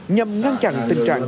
nhằm ngăn chặn tình trạng